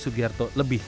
saya sudah rekam